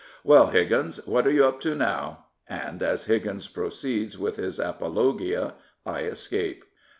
"Well, Higgins, what are you up to now? " And as Higgins proceeds with his apologia I escape.